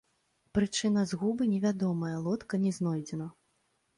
Прычына згубы невядомая, лодка не знойдзена.